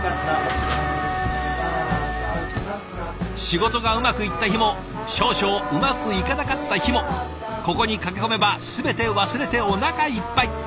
仕事がうまくいった日も少々うまくいかなかった日もここに駆け込めば全て忘れておなかいっぱい。